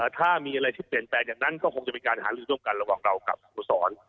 ถ้ามีอะไรที่เปลี่ยนแปลงอย่างนั้นก็คงจะเป็นการหาลือร่วมกันระหว่างเรากับสโมสร